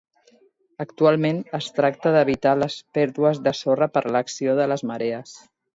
Actualment es tracta d'evitar les pèrdues de sorra per l'acció de les marees.